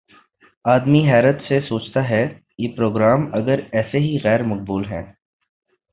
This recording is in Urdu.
آدمی حیرت سے سوچتا ہے: یہ پروگرام اگر ایسے ہی غیر مقبول ہیں